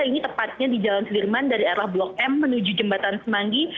ini tepatnya di jalan sudirman dari arah blok m menuju jembatan semanggi